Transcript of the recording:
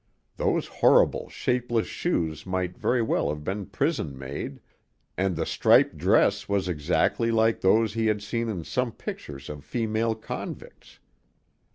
Those horrible, shapeless shoes might very well have been prison made, and the striped dress was exactly like those he had seen in some pictures of female convicts.